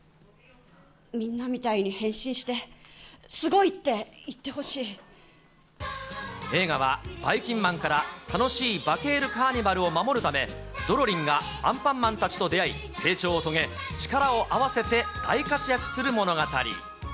みんなみたいに変身して、すごい映画は、ばいきんまんから楽しいバケるカーニバルを守るため、ドロリンがアンパンマンたちと出会い、成長を遂げ、力を合わせて大活躍する物語。